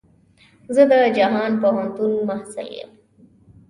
زه د جهان پوهنتون محصل يم.